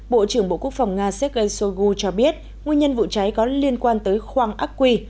bộ trưởng bộ quốc phòng nga sergei shoigu cho biết nguyên nhân vụ cháy có liên quan tới khoang ác quy